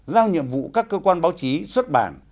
giao nhiệm vụ các cơ quan báo chí xuất bản